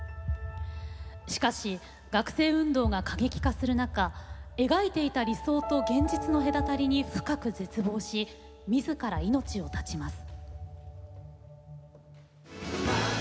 しかし、学生運動が過激化する中描いてた理想と現実の隔たりに深く絶望しみずから命を絶ちます。